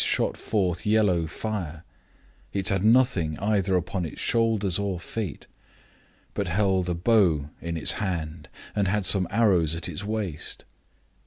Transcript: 51 shot forth yellow fire: it had nothing either upon its shoulders or feet; but held a bow in its hand and had some arrows at its waist.